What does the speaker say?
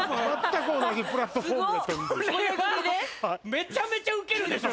めちゃめちゃウケるでしょ